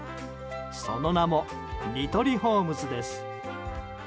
その名もニトリホームズです。